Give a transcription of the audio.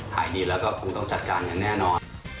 ขายดีแล้วก็คงต้องจัดการอย่างแน่นอน